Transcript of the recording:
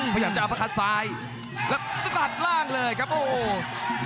พยายามจะเอามาคัดซ้ายแล้วก็ตัดล่างเลยครับโอ้โห